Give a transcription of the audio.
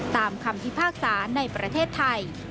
ตามคำที่ภาคสาในประเทศไทย